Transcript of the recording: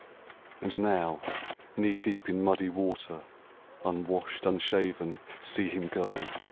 And now, knee deep in muddy water, Unwashed, unshaven, see him go